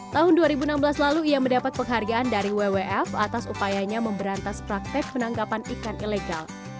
tahun dua ribu enam belas lalu ia mendapat penghargaan dari wwf atas upayanya memberantas praktek penanggapan ikan ilegal